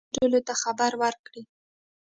هغه غوښتل چې ټولو ته خبر وکړي.